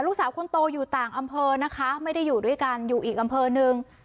ลูกสาวคนโตอยู่ต่างอำเภอนะคะไม่ได้อยู่ด้วยกันอยู่อีกอำเภอหนึ่ง